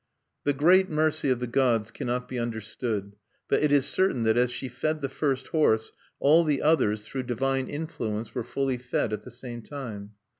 The great mercy of the gods cannot be understood; but it is certain that as she fed the first horse, all the others, through divine influence, were fully fed at the same time.